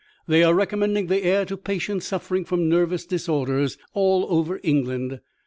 They are recommending the air to patients suffering from nervous disorders all over England.